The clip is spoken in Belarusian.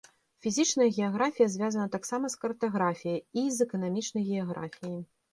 Фізічная геаграфія звязана таксама з картаграфіяй і з эканамічнай геаграфіяй.